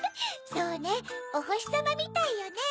そうねおほしさまみたいよね。